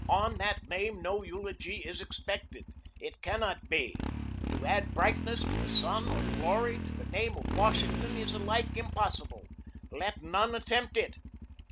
On that name no eulogy is expected. It cannot be. To add brightness to the sun or glory to the name of Washington is alike impossible. Let none attempt it.